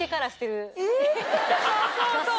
そうそうそう。